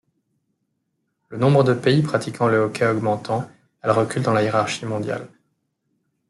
Le nombre de pays pratiquant le hockey augmentant, elle recule dans la hiérarchie mondiale.